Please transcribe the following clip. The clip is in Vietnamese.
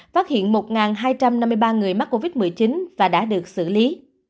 phát hiện một hai trăm năm mươi ba người mắc covid một mươi chín và đã được xử lý